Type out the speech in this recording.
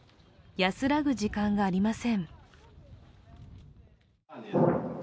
安らぐ時間がありません。